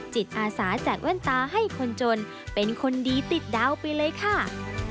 จิตอาสาแจกแว่นตาให้คนจนเป็นคนดีติดดาวไปเลยค่ะ